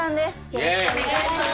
よろしくお願いします。